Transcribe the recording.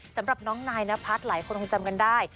สำหรับน้องนายนพัฒน์หลายคนคงจำกันได้